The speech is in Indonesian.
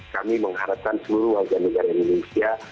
kami mengharapkan seluruh wajah kita untuk berjalan ke negara indonesia